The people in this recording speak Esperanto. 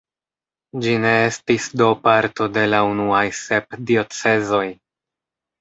Ĝi ne estis do parto de la unuaj sep diocezoj.